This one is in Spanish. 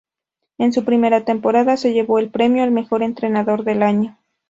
En su primera temporada, se llevó el premio al mejor entrenador del año.